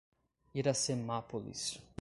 Iracemápolis